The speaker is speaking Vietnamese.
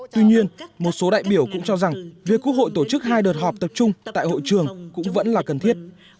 tuy nhiên một số đại biểu cũng cho rằng việc quốc hội tổ chức hai đợt họp tập trung tại hội trường cũng vẫn là cần thiết